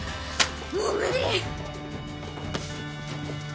もう無理！